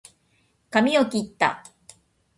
かみをきった